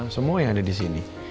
semua yang ada di sini